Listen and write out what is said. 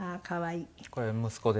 これ息子ですね。